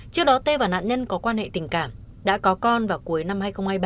trước đó tê và nạn nhân có quan hệ tình cảm đã có con vào cuối năm hai nghìn hai mươi ba